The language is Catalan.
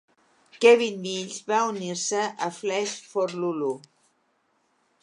Kevin Mills va unir-se a Flesh for Lulu.